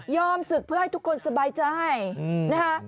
ศึกเพื่อให้ทุกคนสบายใจนะคะ